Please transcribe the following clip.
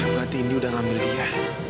berarti ini udah ngambil dia